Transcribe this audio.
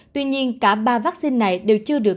tuy nhiên cả ba vaccine này đều chưa được